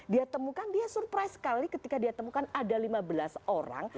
dia temukan dia surprise sekali ketika dia temukan ada lima belas orang